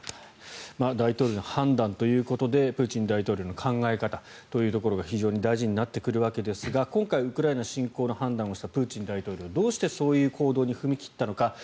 大統領の判断ということでプーチン大統領の考え方というところが非常に大事になってくるわけですが今回、ウクライナ侵攻の判断をしたプーチン大統領どうしてそういう行動に踏み切ったのか。